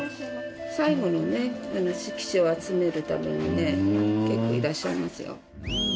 最後にね色紙を集めるためにね結構いらっしゃいますよ。